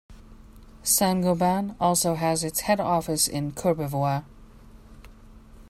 Saint-Gobain also has its head office in Courbevoie.